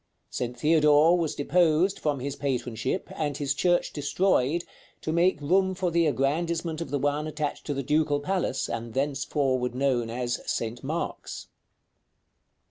St. Theodore was deposed from his patronship, and his church destroyed, to make room for the aggrandizement of the one attached to the Ducal Palace, and thenceforward known as "St. Mark's."